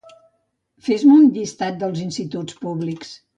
Fes-me un llistat dels instituts públics.